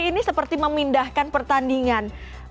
ini seperti memindahkan pertandingan